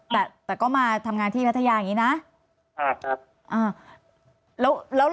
แต่แต่ก็มาทำงานที่พัทยาอย่างงี้นะอ่าครับอ่าแล้วแล้ว